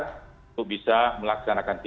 untuk bisa melaksanakan tiga